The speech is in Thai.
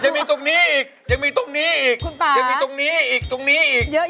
ยังมีตรงนี้อีกยังมีตรงนี้อีกยังมีตรงนี้อีกตรงนี้อีกเยอะ